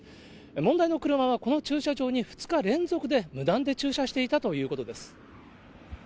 問題の車はこの駐車場に２日連続で無断で駐車していたということです。